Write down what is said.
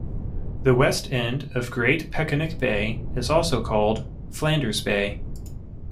The west end of Great Peconic Bay is also called Flanders Bay.